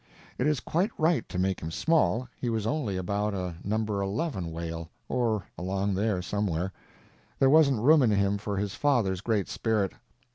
It is quite right to make him small; he was only about a No. 11 whale, or along there somewhere; there wasn't room in him for his father's great spirit.